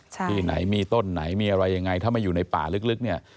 ที่ไหนมีต้นไหนมีอะไรยังไงถ้าไม่อยู่ในป่าลึกเนี่ย